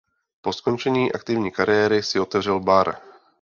Po skončení aktivní kariéry si otevřel bar.